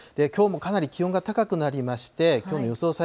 きょうもかなり気温が高くなりまして、きょうの予想